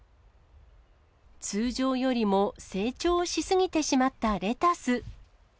通常よりも成長し過ぎてしまったレタス。